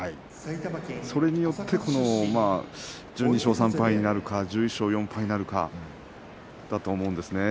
それによって１２勝３敗になるか１１勝４敗になるかだと思います。